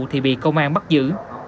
thì bị công an bắt giữ